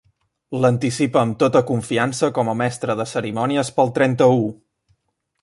L'anticipa amb tota confiança com a mestre de cerimònies pel trenta-u.